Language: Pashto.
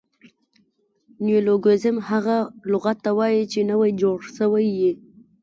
نیولوګیزم هغه لغت ته وایي، چي نوي جوړ سوي يي.